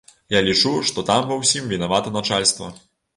Я лічу, што там ва ўсім вінавата начальства.